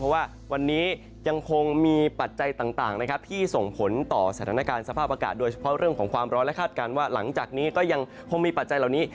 เพราะว่าวันนี้ยังคงมีปัจจัยต่างนะครับที่ส่งผลต่อสถานการณ์สภาพอากาศโดยเฉพาะเรื่องของความร้อนและคาดการณ์ว่าหลังจากนี้ก็ยังคงมีปัจจัยเหล่านี้